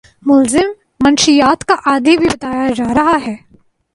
ملزم مشیات کا عادی بھی بتایا جا رہا ہے